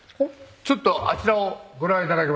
ちょっとあちらをご覧頂けますか？